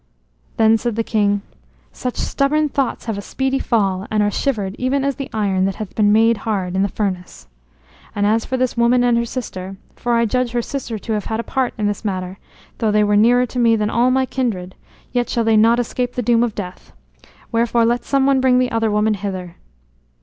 Then said the king: "Such stubborn thoughts have a speedy fall and are shivered even as the iron that hath been made hard in the furnace. And as for this woman and her sister for I judge her sister to have had a part in this matter though they were nearer to me than all my kindred, yet shall they not escape the doom of death. Wherefore let some one bring the other woman hither."